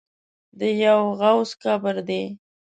د یوه غوث قبر دی.